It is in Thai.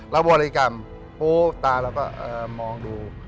เราบริกรรมปุ๊บตาเราก็มองดู